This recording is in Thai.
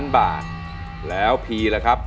๔๐๐๐๐บาทนะครับ